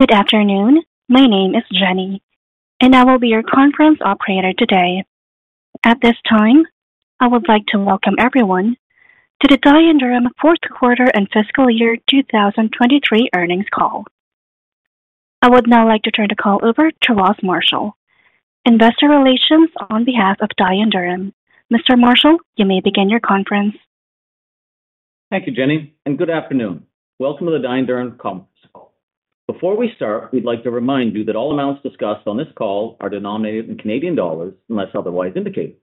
Good afternoon. My name is Jenny, and I will be your conference operator today. At this time, I would like to welcome everyone to the Dye & Durham fourth quarter and fiscal year 2023 earnings call. I would now like to turn the call over to Ross Marshall, investor relations on behalf of Dye & Durham. Mr. Marshall, you may begin your conference. Thank you, Jenny, and good afternoon. Welcome to the Dye & Durham conference call. Before we start, we'd like to remind you that all amounts discussed on this call are denominated in Canadian dollars, unless otherwise indicated.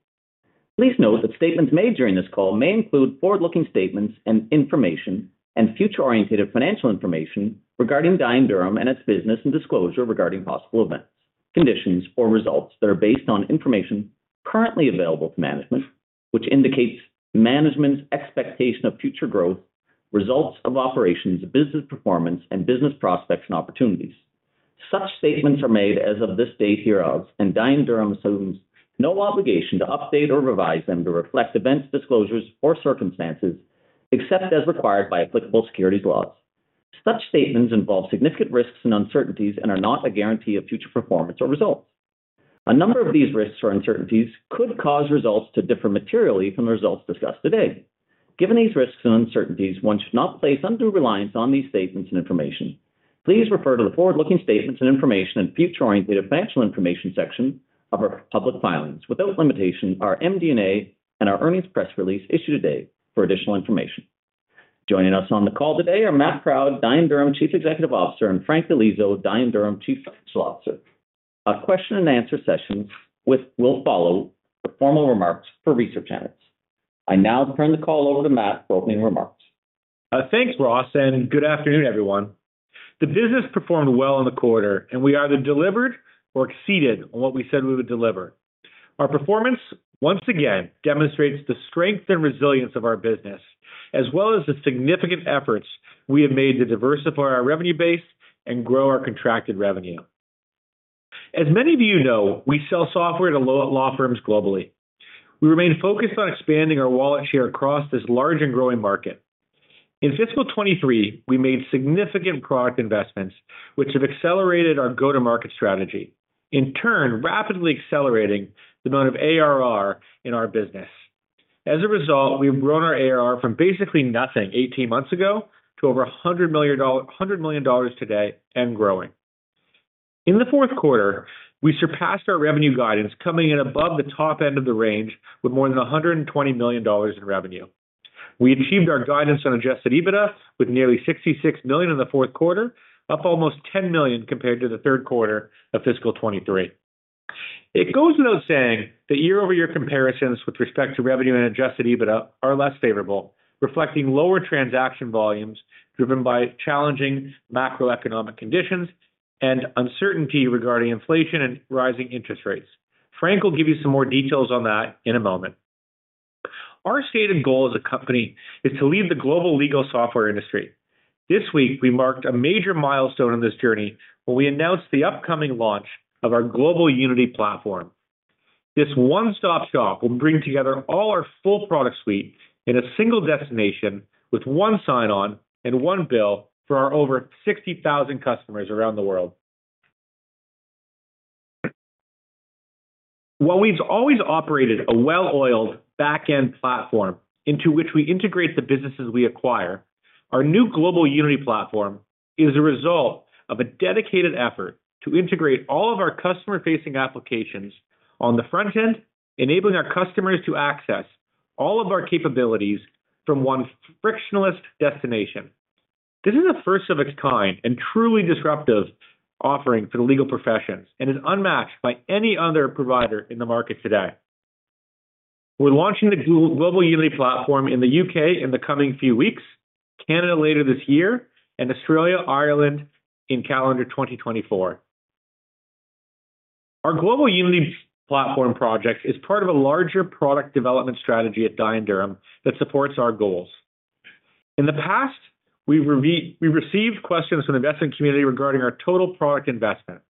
Please note that statements made during this call may include forward-looking statements and information and future-oriented financial information regarding Dye & Durham and its business and disclosure regarding possible events, conditions, or results that are based on information currently available to management, which indicates management's expectation of future growth, results of operations, business performance, and business prospects and opportunities. Such statements are made as of this date hereof, and Dye & Durham assumes no obligation to update or revise them to reflect events, disclosures, or circumstances, except as required by applicable securities laws. Such statements involve significant risks and uncertainties and are not a guarantee of future performance or results. A number of these risks or uncertainties could cause results to differ materially from the results discussed today. Given these risks and uncertainties, one should not place undue reliance on these statements and information. Please refer to the forward-looking statements and information and future orientated financial information section of our public filings. Without limitation, our MD&A and our earnings press release issued today for additional information. Joining us on the call today are Matt Proud, Dye & Durham Chief Executive Officer, and Frank Di Liso, Dye & Durham Chief Financial Officer. A question and answer session will follow the formal remarks for research analysts. I now turn the call over to Matt for opening remarks.. Thanks, Ross, and good afternoon, everyone. The business performed well in the quarter, and we either delivered or exceeded on what we said we would deliver. Our performance, once again, demonstrates the strength and resilience of our business, as well as the significant efforts we have made to diversify our revenue base and grow our contracted revenue. As many of you know, we sell software to law firms globally. We remain focused on expanding our wallet share across this large and growing market. In fiscal 2023, we made significant product investments, which have accelerated our go-to-market strategy, in turn, rapidly accelerating the amount of ARR in our business. As a result, we've grown our ARR from basically nothing 18 months ago to over 100 million dollars today and growing. In the fourth quarter, we surpassed our revenue guidance, coming in above the top end of the range with more than 120 million dollars in revenue. We achieved our guidance on Adjusted EBITDA, with nearly 66 million in the fourth quarter, up almost 10 million compared to the third quarter of fiscal 2023. It goes without saying that year-over-year comparisons with respect to revenue and Adjusted EBITDA are less favorable, reflecting lower transaction volumes driven by challenging macroeconomic conditions and uncertainty regarding inflation and rising interest rates. Frank will give you some more details on that in a moment. Our stated goal as a company is to lead the global legal software industry. This week, we marked a major milestone on this journey when we announced the upcoming launch of our Global Unity Platform. This one-stop shop will bring together all our full product suite in a single destination with one sign-on and one bill for our over 60,000 customers around the world. While we've always operated a well-oiled back-end platform into which we integrate the businesses we acquire, our new Global Unity Platform is a result of a dedicated effort to integrate all of our customer-facing applications on the front end, enabling our customers to access all of our capabilities from one frictionless destination. This is a first of its kind and truly disruptive offering for the legal profession and is unmatched by any other provider in the market today. We're launching the Global Unity Platform in the UK in the coming few weeks, Canada later this year, and Australia, Ireland in calendar 2024. Our Global Unity Platform project is part of a larger product development strategy at Dye & Durham that supports our goals. In the past, we received questions from the investment community regarding our total product investment.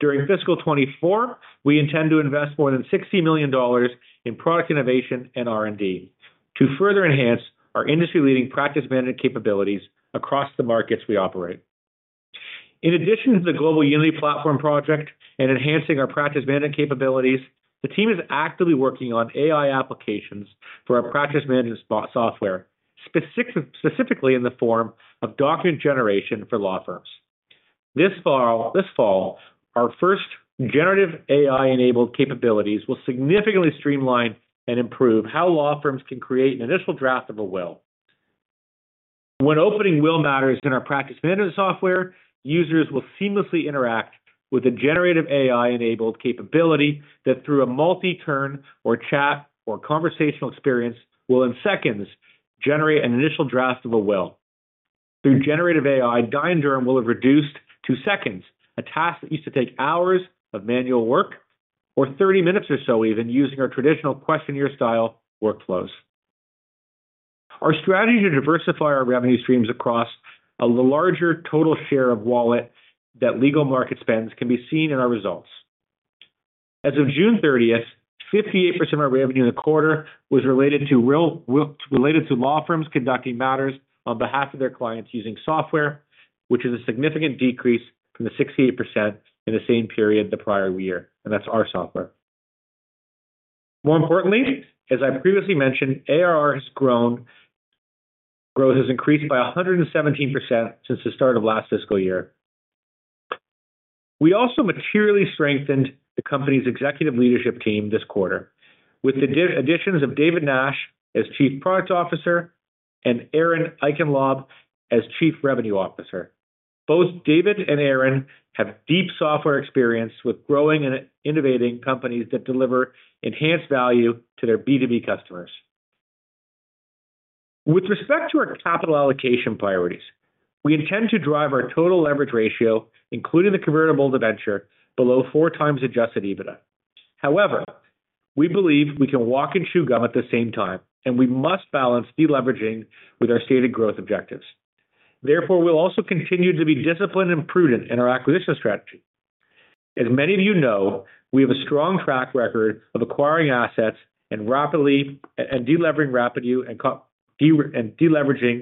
During fiscal 2024, we intend to invest more than 60 million dollars in product innovation and R&D to further enhance our industry-leading practice management capabilities across the markets we operate. In addition to the Global Unity Platform project and enhancing our practice management capabilities, the team is actively working on AI applications for our practice management software, specifically in the form of document generation for law firms. This fall, our first generative AI-enabled capabilities will significantly streamline and improve how law firms can create an initial draft of a will. When opening will matters in our practice management software, users will seamlessly interact with a generative AI-enabled capability that, through a multi-turn or chat or conversational experience, will, in seconds, generate an initial draft of a will. Through generative AI, Dye & Durham will have reduced to seconds, a task that used to take hours of manual work, or 30 minutes or so even, using our traditional questionnaire-style workflows. Our strategy to diversify our revenue streams across a larger total share of wallet that legal market spends can be seen in our results. As of June thirtieth, 58% of our revenue in the quarter was related to related to law firms conducting matters on behalf of their clients using software, which is a significant decrease from the 68% in the same period the prior year, and that's our software. More importantly, as I previously mentioned, ARR has grown, growth has increased by 117% since the start of last fiscal year. We also materially strengthened the company's executive leadership team this quarter, with the additions of David Nash as Chief Product Officer and Aaron Eichenlaub as Chief Revenue Officer. Both David and Aaron have deep software experience with growing and innovating companies that deliver enhanced value to their B2B customers. With respect to our capital allocation priorities, we intend to drive our total leverage ratio, including the Convertible Debenture, below 4 times Adjusted EBITDA. However, we believe we can walk and chew gum at the same time, and we must balance deleveraging with our stated growth objectives. Therefore, we'll also continue to be disciplined and prudent in our acquisition strategy. As many of you know, we have a strong track record of acquiring assets and rapidly deleveraging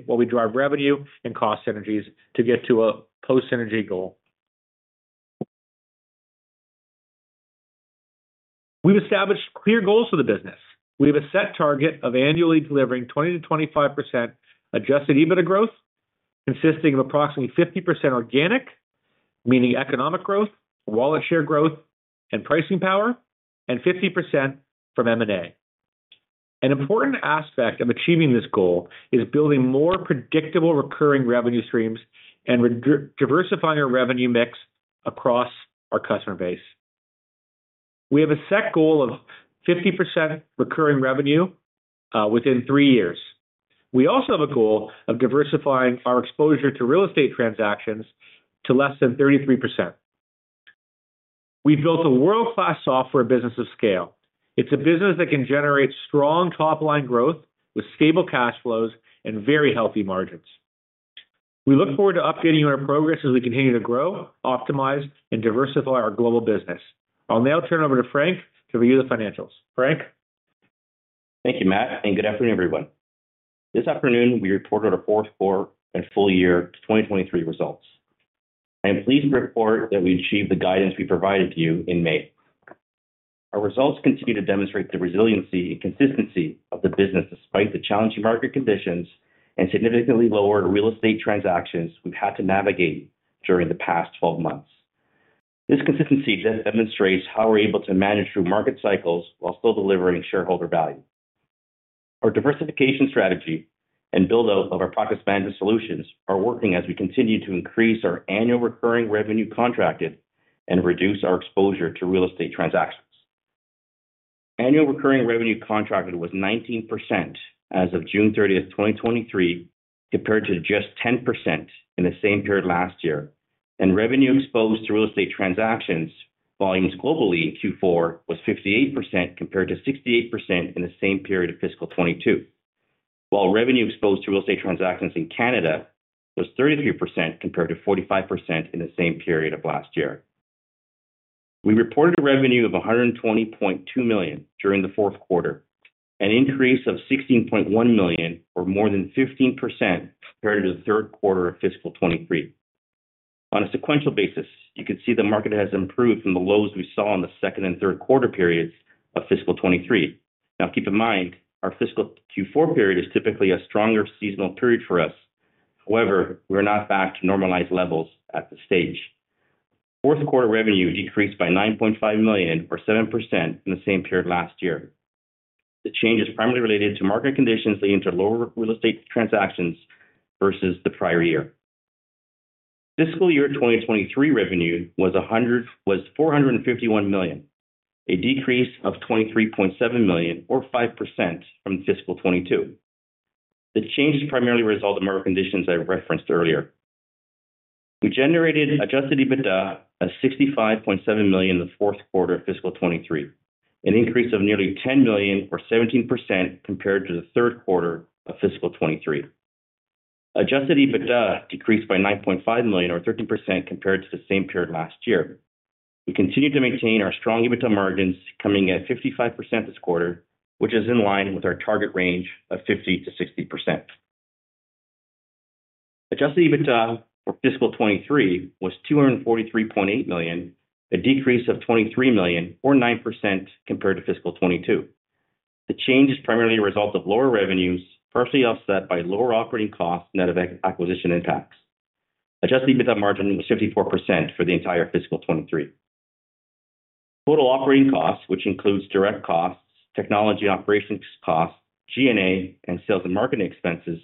while we drive revenue and cost synergies to get to a post-synergy goal. We've established clear goals for the business. We have a set target of annually delivering 20%-25% Adjusted EBITDA growth, consisting of approximately 50% organic, meaning economic growth, wallet share growth, and pricing power, and 50% from M&A. An important aspect of achieving this goal is building more predictable recurring revenue streams and diversifying our revenue mix across our customer base. We have a set goal of 50% recurring revenue within three years. We also have a goal of diversifying our exposure to real estate transactions to less than 33%. We've built a world-class software business of scale. It's a business that can generate strong top-line growth with stable cash flows and very healthy margins. We look forward to updating you on our progress as we continue to grow, optimize, and diversify our global business. I'll now turn over to Frank to review the financials. Frank? Thank you, Matt, and good afternoon, everyone. This afternoon, we reported our fourth quarter and full year 2023 results. I am pleased to report that we achieved the guidance we provided to you in May. Our results continue to demonstrate the resiliency and consistency of the business despite the challenging market conditions and significantly lower real estate transactions we've had to navigate during the past 12 months. This consistency demonstrates how we're able to manage through market cycles while still delivering shareholder value. Our diversification strategy and build-out of our practice management solutions are working as we continue to increase our annual recurring revenue contracted and reduce our exposure to real estate transactions. Annual recurring revenue contracted was 19% as of June 30, 2023, compared to just 10% in the same period last year, and revenue exposed to real estate transactions, volumes globally in Q4 was 58%, compared to 68% in the same period of fiscal 2022. While revenue exposed to real estate transactions in Canada was 33%, compared to 45% in the same period of last year. We reported revenue of 120.2 million during the fourth quarter, an increase of 16.1 million, or more than 15% compared to the third quarter of fiscal 2023. On a sequential basis, you can see the market has improved from the lows we saw in the second and third quarter periods of fiscal 2023. Now, keep in mind, our fiscal Q4 period is typically a stronger seasonal period for us. However, we're not back to normalized levels at this stage. Fourth quarter revenue decreased by 9.5 million, or 7% from the same period last year. The change is primarily related to market conditions leading to lower real estate transactions versus the prior year. Fiscal year 2023 revenue was 451 million, a decrease of 23.7 million, or 5% from fiscal 2022. The change is primarily a result of market conditions I referenced earlier. We generated adjusted EBITDA of 65.7 million in the fourth quarter of fiscal 2023, an increase of nearly 10 million or 17% compared to the third quarter of fiscal 2023. Adjusted EBITDA decreased by 9.5 million, or 13% compared to the same period last year. We continued to maintain our strong EBITDA margins, coming at 55% this quarter, which is in line with our target range of 50%-60%. Adjusted EBITDA for fiscal 2023 was 243.8 million, a decrease of 23 million or 9% compared to fiscal 2022. The change is primarily a result of lower revenues, partially offset by lower operating costs net of acquisition impacts. Adjusted EBITDA margin was 54% for the entire fiscal 2023. Total operating costs, which includes direct costs, technology operations costs, G&A, and sales and marketing expenses,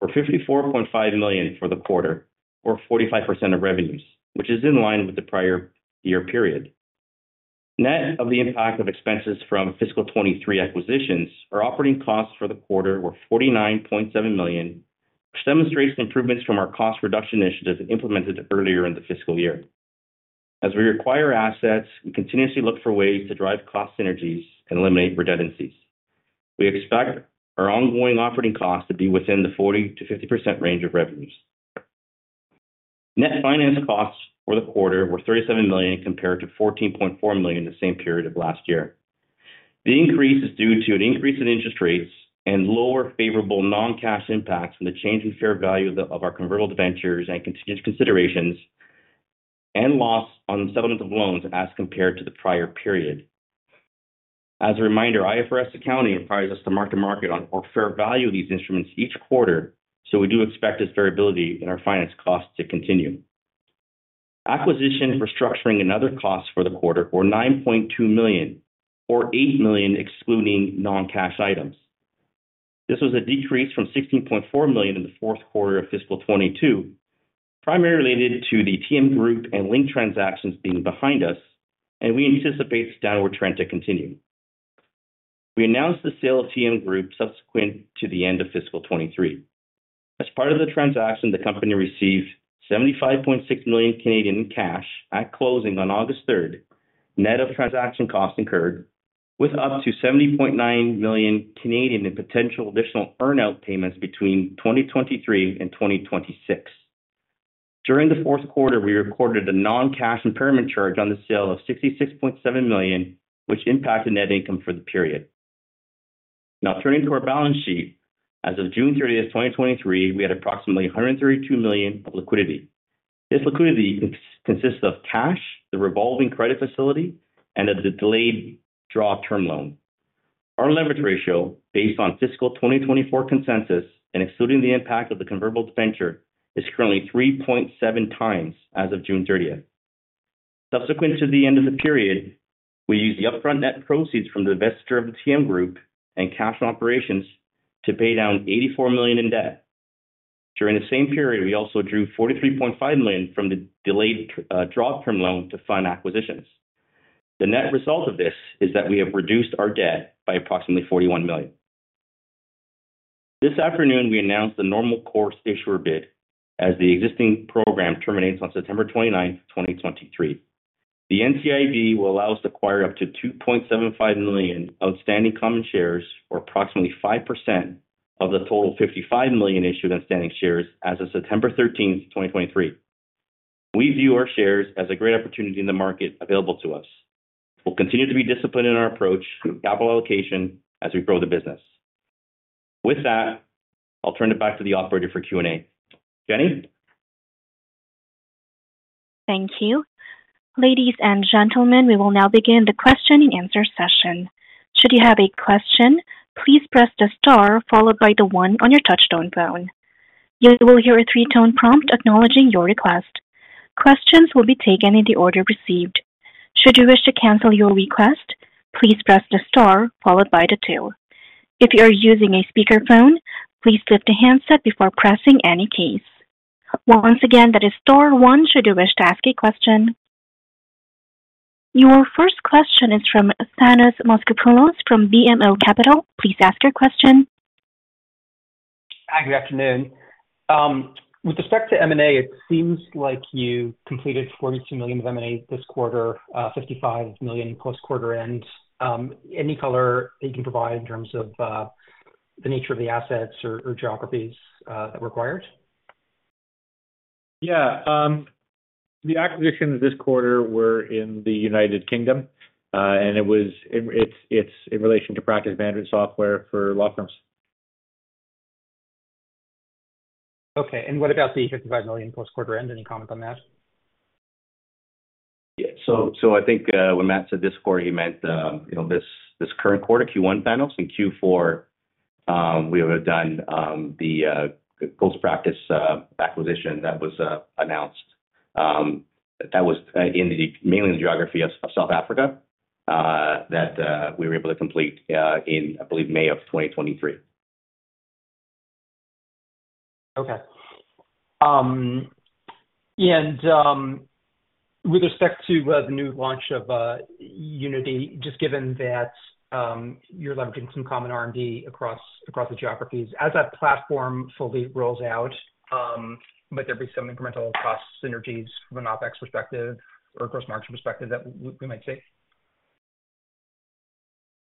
were 54.5 million for the quarter or 45% of revenues, which is in line with the prior year period. Net of the impact of expenses from fiscal 2023 acquisitions, our operating costs for the quarter were 49.7 million, which demonstrates improvements from our cost reduction initiatives implemented earlier in the fiscal year. As we acquire assets, we continuously look for ways to drive cost synergies and eliminate redundancies. We expect our ongoing operating costs to be within the 40%-50% range of revenues.... Net finance costs for the quarter were 37 million, compared to 14.4 million in the same period of last year. The increase is due to an increase in interest rates and lower favorable non-cash impacts from the change in fair value of our convertible debentures and contingent considerations, and loss on settlement of loans as compared to the prior period. As a reminder, IFRS accounting requires us to mark-to-market or fair value of these instruments each quarter, so we do expect this variability in our finance costs to continue. Acquisition, restructuring, and other costs for the quarter were 9.2 million, or 8 million, excluding non-cash items. This was a decrease from 16.4 million in the fourth quarter of fiscal 2022, primarily related to the TM Group and Link Group transactions being behind us, and we anticipate this downward trend to continue. We announced the sale of TM Group subsequent to the end of fiscal 2023. As part of the transaction, the company received 75.6 million Canadian dollars in cash at closing on August third, with up to 70.9 million Canadian dollars in potential additional earn-out payments between 2023 and 2026. During the fourth quarter, we recorded a non-cash impairment charge on the sale of 66.7 million, which impacted net income for the period. Now, turning to our balance sheet. As of June 30, 2023, we had approximately 132 million of liquidity. This liquidity exists of cash, the revolving credit facility, and a delayed draw term loan. Our leverage ratio, based on fiscal 2024 consensus and excluding the impact of the convertible debenture, is currently 3.7 times as of June 30. Subsequent to the end of the period, we used the upfront net proceeds from the divestiture of the TM Group and cash operations to pay down 84 million in debt. During the same period, we also drew 43.5 million from the delayed draw term loan to fund acquisitions. The net result of this is that we have reduced our debt by approximately 41 million. This afternoon, we announced the normal course issuer bid, as the existing program terminates on September 29th, 2023. The NCIB will allow us to acquire up to 2.75 million outstanding common shares, or approximately 5% of the total 55 million issued outstanding shares as of September 13th, 2023. We view our shares as a great opportunity in the market available to us. We'll continue to be disciplined in our approach to capital allocation as we grow the business. With that, I'll turn it back to the operator for Q&A. Jenny? Thank you. Ladies and gentlemen, we will now begin the question-and-answer session. Should you have a question, please press the star followed by the one on your touchtone phone. You will hear a three-tone prompt acknowledging your request. Questions will be taken in the order received. Should you wish to cancel your request, please press the star followed by the two. If you're using a speakerphone, please lift the handset before pressing any keys. Well, once again, that is star one should you wish to ask a question. Your first question is from Thanos Moschopoulos from BMO Capital Markets. Please ask your question. Hi, good afternoon. With respect to M&A, it seems like you completed 42 million of M&A this quarter, 55 million post-quarter end. Any color that you can provide in terms of the nature of the assets or geographies that required? Yeah, the acquisitions this quarter were in the United Kingdom, and it's in relation to practice management software for law firms. Okay. What about the 55 million post-quarter end? Any comment on that? Yeah. So I think when Matt said this quarter, he meant, you know, this current quarter, Q1 finals. In Q4, we have done the GhostPractice acquisition that was announced. That was mainly in the geography of South Africa that we were able to complete in, I believe, May of 2023. Okay. And with respect to the new launch of Unity, just given that you're leveraging some common R&D across the geographies. As that platform fully rolls out, might there be some incremental cost synergies from an OpEx perspective or gross margin perspective that we might see?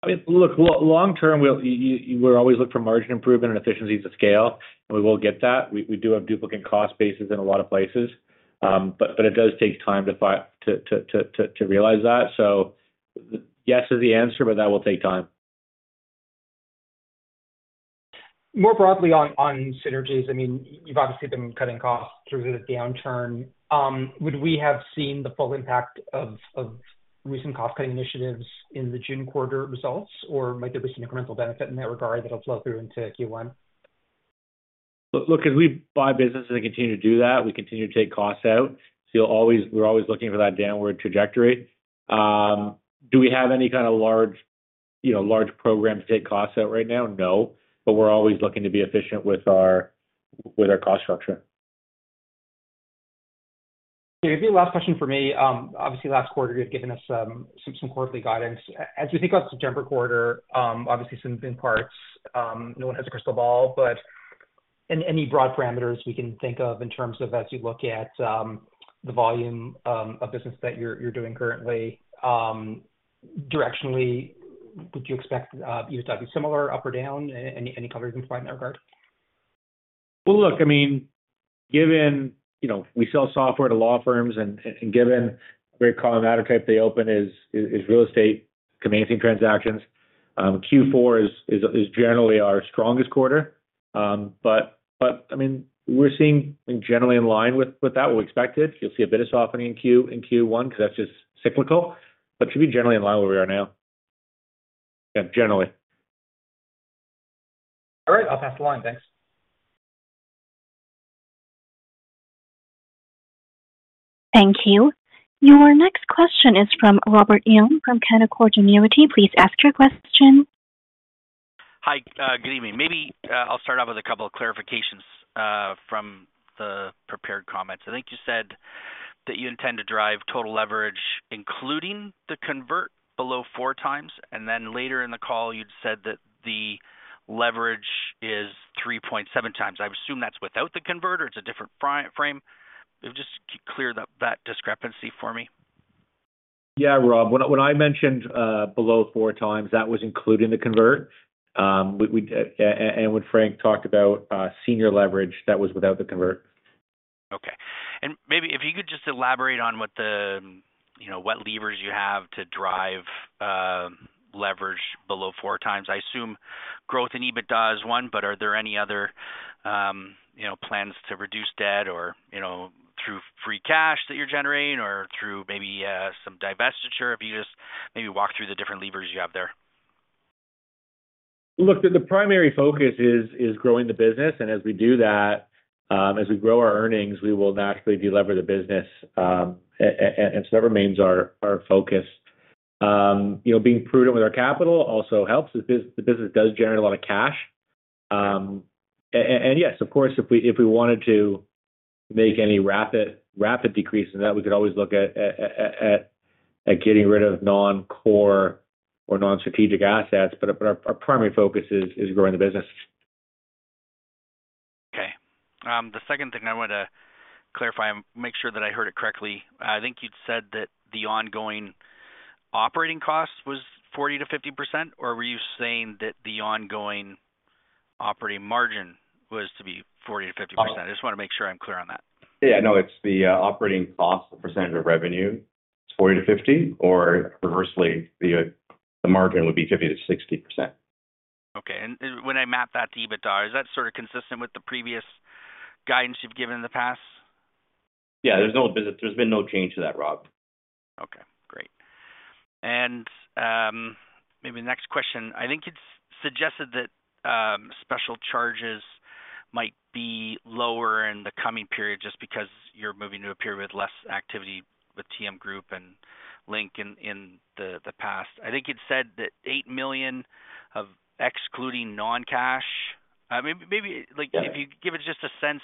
I mean, look, long-term, we'll always look for margin improvement and efficiencies of scale, and we will get that. We do have duplicate cost bases in a lot of places, but it does take time to realize that. So yes, is the answer, but that will take time. More broadly on synergies, I mean, you've obviously been cutting costs through the downturn. Would we have seen the full impact of recent cost-cutting initiatives in the June quarter results, or might there be some incremental benefit in that regard that'll flow through into Q1? Look, look, as we buy businesses and continue to do that, we continue to take costs out. So you'll always, we're always looking for that downward trajectory. Do we have any kind of large, you know, large programs to take costs out right now? No, but we're always looking to be efficient with our, with our cost structure. It'll be the last question for me. Obviously, last quarter, you had given us some quarterly guidance. As you think about the September quarter, obviously some parts, no one has a crystal ball, but any broad parameters we can think of in terms of as you look at the volume of business that you're doing currently, directionally? Would you expect EBITDA to be similar, up or down? Any color you can provide in that regard? Well, look, I mean, given, you know, we sell software to law firms, and given a very common matter type they open is real estate conveyancing transactions, Q4 is generally our strongest quarter. But, I mean, we're seeing generally in line with that, we expect it. You'll see a bit of softening in Q1 because that's just cyclical, but should be generally in line where we are now. Yeah, generally. All right, I'll pass the line. Thanks. Thank you. Your next question is from Robert Young, from Canaccord Genuity. Please ask your question. Hi, good evening. Maybe, I'll start off with a couple of clarifications from the prepared comments. I think you said that you intend to drive total leverage, including the convert below 4x, and then later in the call, you'd said that the leverage is 3.7x. I assume that's without the converter. It's a different frame. Just clear that, that discrepancy for me. Yeah, Rob, when I mentioned below four times, that was including the convert. And when Frank talked about senior leverage, that was without the convert. Okay. And maybe if you could just elaborate on what the, you know, what levers you have to drive leverage below four times. I assume growth in EBITDA is one, but are there any other, you know, plans to reduce debt or, you know, through free cash that you're generating or through maybe some divestiture? If you just maybe walk through the different levers you have there. Look, the primary focus is growing the business, and as we do that, as we grow our earnings, we will naturally delever the business, and so that remains our focus. You know, being prudent with our capital also helps. The business does generate a lot of cash. And yes, of course, if we wanted to make any rapid decreases in that, we could always look at getting rid of non-core or non-strategic assets, but our primary focus is growing the business. Okay. The second thing I want to clarify and make sure that I heard it correctly, I think you'd said that the ongoing operating costs was 40%-50%, or were you saying that the ongoing operating margin was to be 40%-50%? Oh- I just want to make sure I'm clear on that. Yeah, no, it's the operating costs, the percentage of revenue, it's 40%-50%, or conversely, the margin would be 50%-60%. Okay. And when I map that to EBITDA, is that sort of consistent with the previous guidance you've given in the past? Yeah, there's been no change to that, Rob. Okay, great. And maybe the next question, I think it's suggested that special charges might be lower in the coming period just because you're moving to a period with less activity with TM Group and Link Group in the past. I think you'd said that 8 million excluding non-cash. Maybe, like- Yeah... if you give us just a sense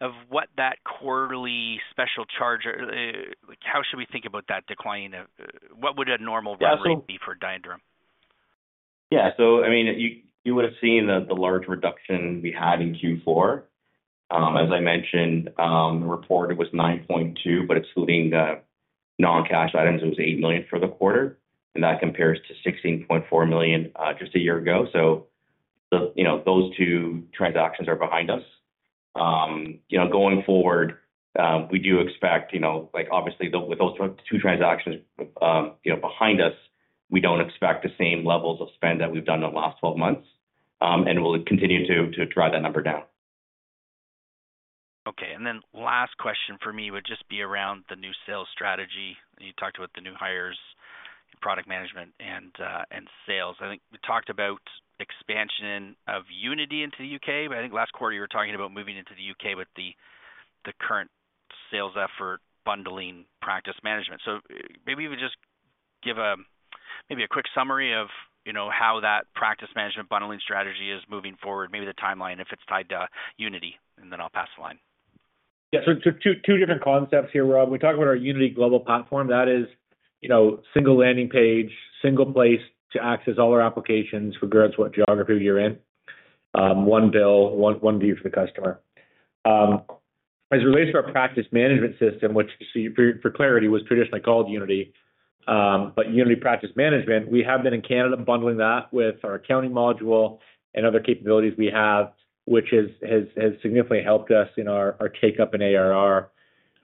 of what that quarterly special charge, like, how should we think about that decline? What would a normal run rate for Dye & Durham? Yeah, so I mean, you would have seen the large reduction we had in Q4. As I mentioned, the report, it was 9.2, but excluding the non-cash items, it was 8 million for the quarter, and that compares to 16.4 million just a year ago. So you know, those two transactions are behind us. You know, going forward, we do expect, you know, like, obviously, with those two transactions behind us, we don't expect the same levels of spend that we've done in the last 12 months, and we'll continue to drive that number down. Okay, and then last question for me would just be around the new sales strategy. You talked about the new hires in product management and sales. I think we talked about expansion of Unity into the UK, but I think last quarter, you were talking about moving into the UK with the current sales effort, bundling practice management. So maybe if you just give maybe a quick summary of, you know, how that practice management bundling strategy is moving forward, maybe the timeline, if it's tied to Unity, and then I'll pass the line. Yeah. So two different concepts here, Rob. We talk about our Unity Global Platform. That is, you know, single landing page, single place to access all our applications, regardless what geography you're in. One bill, one view for the customer. As it relates to our practice management system, which for clarity, was traditionally called Unity, but Unity Practice Management, we have been in Canada bundling that with our accounting module and other capabilities we have, which has significantly helped us in our take-up in ARR,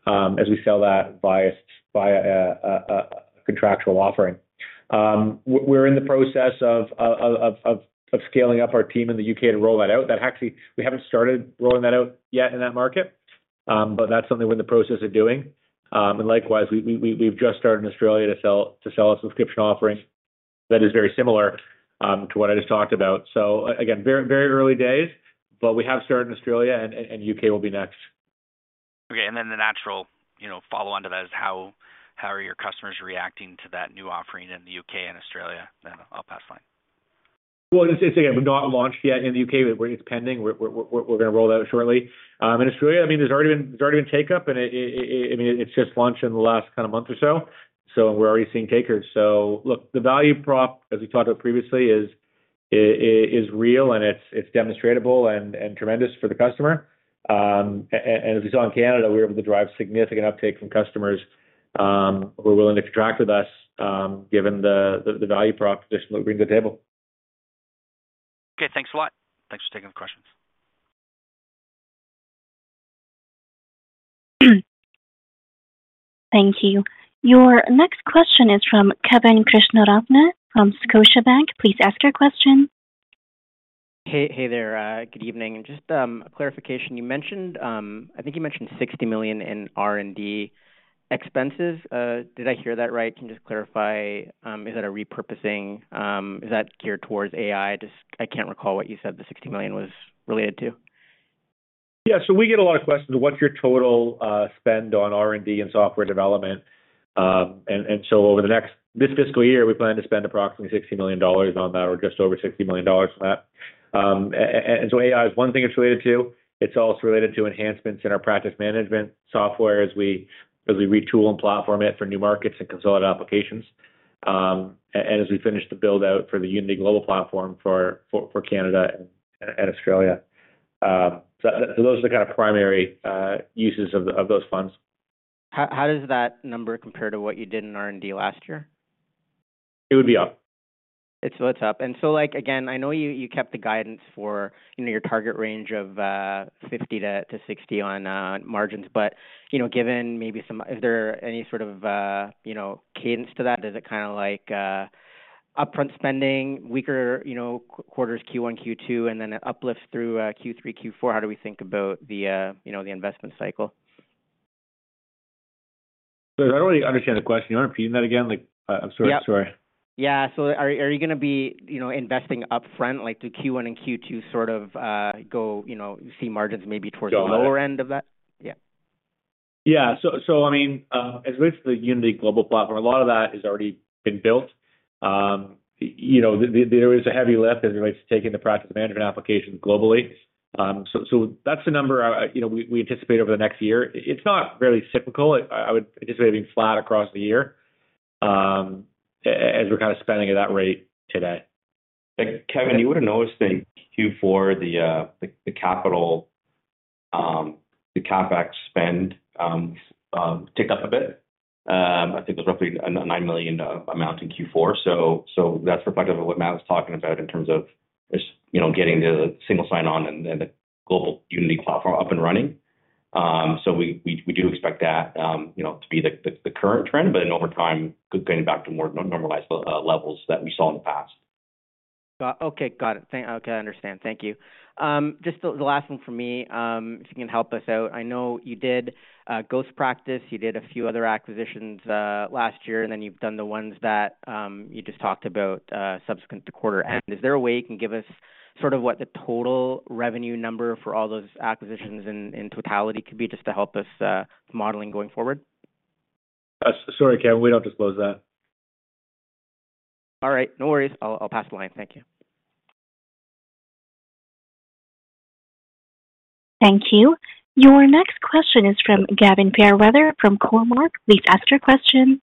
as we sell that via a contractual offering. We're in the process of scaling up our team in the UK to roll that out. That actually, we haven't started rolling that out yet in that market, but that's something we're in the process of doing. And likewise, we've just started in Australia to sell a subscription offering that is very similar to what I just talked about. So again, very, very early days, but we have started in Australia and UK will be next. Okay, and then the natural, you know, follow-on to that is how, how are your customers reacting to that new offering in the UK and Australia? Then I'll pass the line. Well, it's again, we've not launched yet in the U.K., but it's pending. We're gonna roll out shortly. In Australia, I mean, there's already been take-up, and it, I mean, it's just launched in the last kind of month or so, so we're already seeing takers. So look, the value prop, as we talked about previously, is real, and it's demonstratable and tremendous for the customer. And as we saw in Canada, we were able to drive significant uptake from customers who are willing to contract with us, given the value proposition that we bring to the table. Okay, thanks a lot. Thanks for taking the questions. Thank you. Your next question is from Kevin Krishnaratne from Scotiabank. Please ask your question. Hey, hey there. Good evening, and just a clarification. You mentioned, I think you mentioned 60 million in R&D expenses. Did I hear that right? Can you just clarify, is that a repurposing? Is that geared towards AI? Just I can't recall what you said the 60 million was related to. Yeah, so we get a lot of questions. What's your total spend on R&D and software development? And so over the next—this fiscal year, we plan to spend approximately 60 million dollars on that, or just over 60 million dollars on that. And so AI is one thing it's related to. It's also related to enhancements in our practice management software as we retool and platform it for new markets and consolidate applications. And as we finish the build-out for the Unity global platform for Canada and Australia. So those are the kind of primary uses of those funds. How does that number compare to what you did in R&D last year? It would be up. It's up. So, like, again, I know you kept the guidance for, you know, your target range of 50-60 on margins. But, you know, given maybe some... Is there any sort of, you know, cadence to that? Is it kind of like upfront spending, weaker quarters Q1, Q2, and then it uplifts through Q3, Q4? How do we think about the, you know, the investment cycle? I don't really understand the question. You want to repeat that again? Like, I'm sorry. Sorry. Yeah. So are you gonna be, you know, investing upfront, like, do Q1 and Q2 sort of go, you know, you see margins maybe towards the lower end of that? Yeah. Yeah. I mean, as it relates to the Unity global platform, a lot of that has already been built. You know, there is a heavy lift as it relates to taking the practice management application globally. So that's the number, you know, we anticipate over the next year. It's not very cyclical. I would anticipate it being flat across the year, as we're kind of spending at that rate today. Kevin, you would have noticed in Q4, the capital, the CapEx spend tick up a bit. I think it was roughly 9 million amount in Q4. So that's reflective of what Matt was talking about in terms of just, you know, getting the single sign on and the global Unity platform up and running. So we do expect that, you know, to be the current trend, but then over time, going back to more normalized levels that we saw in the past. Got it. Okay, got it. Thank you. Okay, I understand. Thank you. Just the last thing from me, if you can help us out. I know you did GhostPractice, you did a few other acquisitions last year, and then you've done the ones that you just talked about, subsequent to quarter. And is there a way you can give us sort of what the total revenue number for all those acquisitions in totality could be, just to help us modeling going forward? Sorry, Kevin, we don't disclose that. All right. No worries. I'll, I'll pass the line. Thank you. Thank you. Your next question is from Gavin Fairweather, from Cormark. Please ask your question.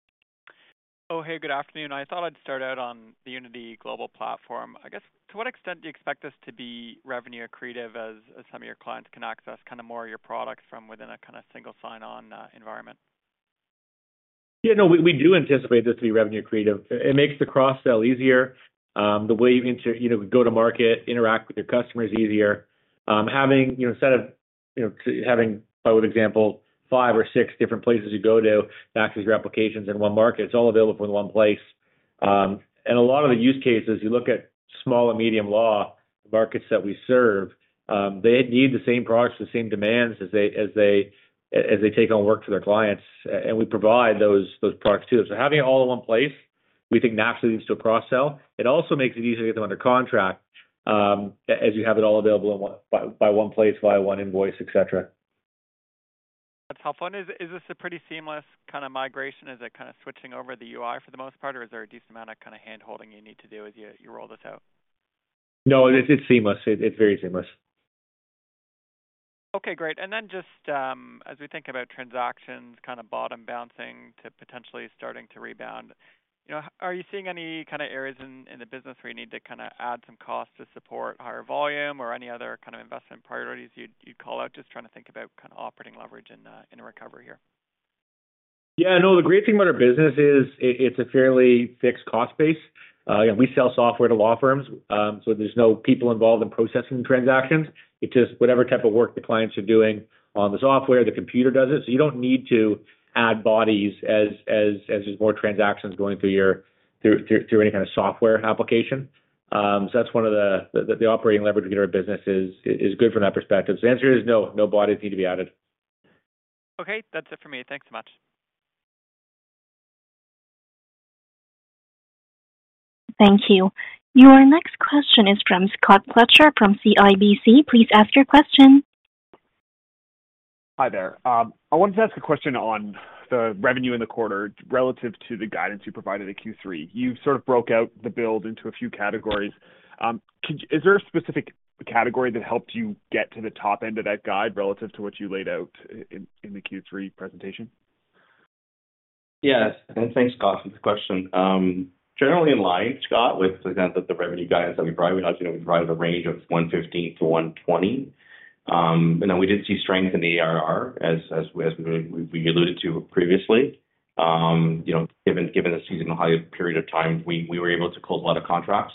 Oh, hey, good afternoon. I thought I'd start out on the Unity global platform. I guess, to what extent do you expect this to be revenue accretive, as, as some of your clients can access kind of more of your products from within a kind of single sign-on environment? Yeah, no, we do anticipate this to be revenue accretive. It makes the cross-sell easier. The way you interact, you know, go to market, interact with your customers easier. Having, you know, instead of, you know, having, by way of example, five or six different places you go to access your applications in one market, it's all available in one place. And a lot of the use cases, you look at small and medium law markets that we serve, they need the same products, the same demands as they take on work for their clients. And we provide those products, too. So having it all in one place, we think naturally leads to a cross-sell. It also makes it easier to get them under contract, as you have it all available in one... by one place, via one invoice, et cetera. That's helpful. Is this a pretty seamless kind of migration? Is it kind of switching over the UI for the most part, or is there a decent amount of kind of hand-holding you need to do as you roll this out? No, it's, it's seamless. It's very seamless. Okay, great. And then just, as we think about transactions kind of bottom bouncing to potentially starting to rebound, you know, are you seeing any kind of areas in the business where you need to kind of add some cost to support higher volume or any other kind of investment priorities you'd call out? Just trying to think about kind of operating leverage in a recovery here. Yeah, no, the great thing about our business is it's a fairly fixed cost base. Yeah, we sell software to law firms, so there's no people involved in processing transactions. It's just whatever type of work the clients are doing on the software, the computer does it. So you don't need to add bodies as there's more transactions going through any kind of software application. So that's one of the operating leverage in our business is good from that perspective. So the answer is no. No bodies need to be added. Okay, that's it for me. Thanks so much. Thank you. Your next question is from Scott Fletcher, from CIBC. Please ask your question. Hi there. I wanted to ask a question on the revenue in the quarter relative to the guidance you provided in Q3. You sort of broke out the build into a few categories. Could you—is there a specific category that helped you get to the top end of that guide relative to what you laid out in the Q3 presentation?... Yes, and thanks, Scott, for the question. Generally in line, Scott, with the fact that the revenue guidance that we provided, as you know, we provided a range of 115-120. And then we did see strength in the ARR as we alluded to previously. You know, given the seasonal holiday period of time, we were able to close a lot of contracts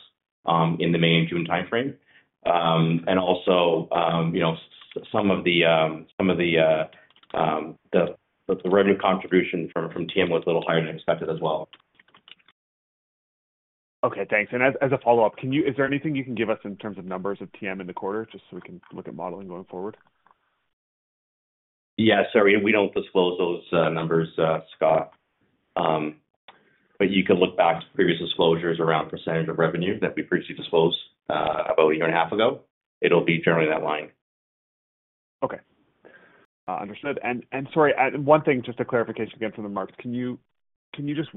in the May and June time frame. And also, you know, some of the revenue contribution from TM was a little higher than expected as well. Okay, thanks. And as a follow-up, is there anything you can give us in terms of numbers of TM in the quarter, just so we can look at modeling going forward? Yeah, sorry, we don't disclose those numbers, Scott. But you can look back to previous disclosures around percentage of revenue that we previously disclosed about a year and a half ago. It'll be generally that line. Okay, understood. And sorry, one thing just a clarification again from the market. Can you just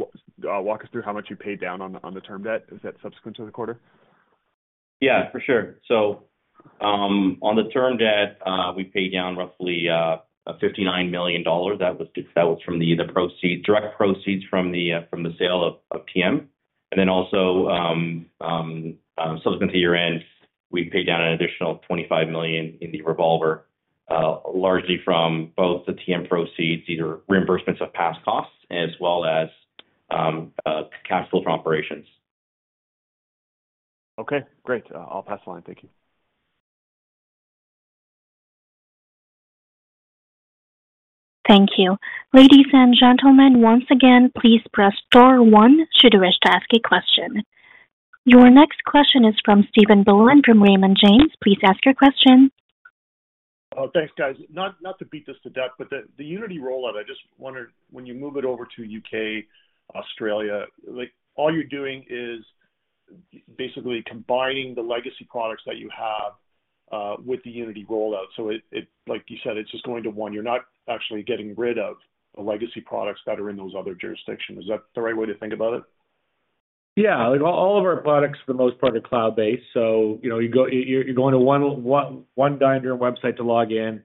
walk us through how much you paid down on the term debt? Is that subsequent to the quarter? Yeah, for sure. So, on the term debt, we paid down roughly 59 million dollars. That was, that was from the proceeds, direct proceeds from the, from the sale of, of TM. And then also, subsequent to year-end, we paid down an additional 25 million in the revolver, largely from both the TM proceeds, either reimbursements of past costs as well as, cash flow from operations. Okay, great. I'll pass the line. Thank you. Thank you. Ladies and gentlemen, once again, please press star one should you wish to ask a question. Your next question is from Stephen Boland, from Raymond James. Please ask your question. Oh, thanks, guys. Not to beat this to death, but the Unity rollout, I just wondered, when you move it over to UK, Australia, like, all you're doing is basically combining the legacy products that you have with the Unity rollout. So it like you said, it's just going to one, you're not actually getting rid of the legacy products that are in those other jurisdictions. Is that the right way to think about it? Yeah. Like, all of our products, for the most part, are cloud-based. So, you know, you go... You're going to one Dye & Durham website to log in,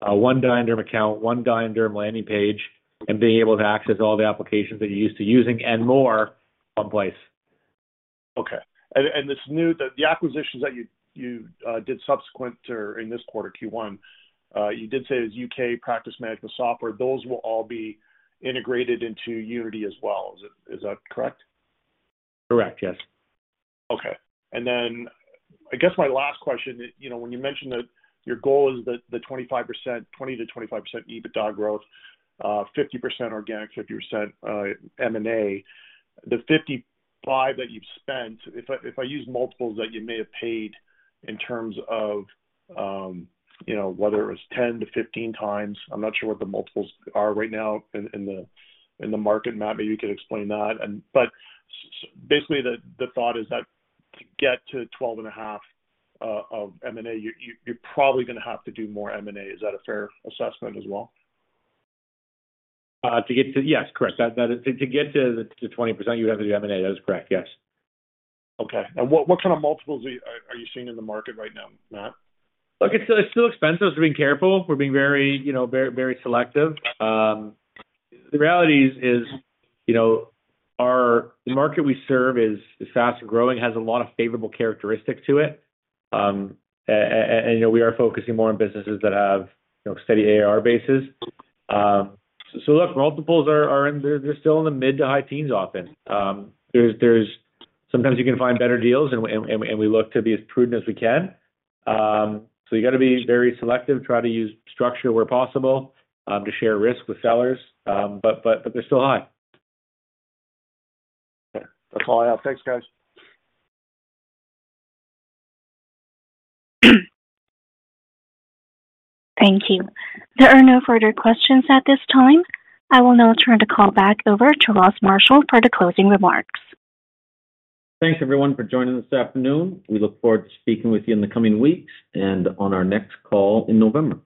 one Dye & Durham account, one Dye & Durham landing page, and being able to access all the applications that you're used to using and more in one place. Okay. And this new, the acquisitions that you did subsequent or in this quarter, Q1, you did say it was UK practice management software. Those will all be integrated into Unity as well. Is that correct? Correct, yes. Okay. And then I guess my last question, you know, when you mentioned that your goal is that the 25%, 20%-25% EBITDA growth, 50% organic, 50%, M&A. The 55 that you've spent, if I, if I use multiples that you may have paid in terms of, you know, whether it was 10-15x, I'm not sure what the multiples are right now in the market. Matt, maybe you could explain that. And, but basically, the thought is that to get to 12.5 of M&A, you, you, you're probably gonna have to do more M&A. Is that a fair assessment as well? Yes, correct. That, to get to 20%, you would have to do M&A. That is correct, yes. Okay. And what kind of multiples are you seeing in the market right now, Matt? Look, it's still expensive, so we're being careful. We're being very, you know, very, very selective. The reality is, you know, the market we serve is fast growing, has a lot of favorable characteristics to it. And, you know, we are focusing more on businesses that have, you know, steady ARR bases. So look, multiples are in, they're still in the mid to high teens often. There's sometimes you can find better deals, and we look to be as prudent as we can. So you got to be very selective, try to use structure where possible, to share risk with sellers. But they're still high. Okay. That's all I have. Thanks, guys. Thank you. There are no further questions at this time. I will now turn the call back over to Ross Marshall for the closing remarks. Thanks, everyone, for joining this afternoon. We look forward to speaking with you in the coming weeks and on our next call in November.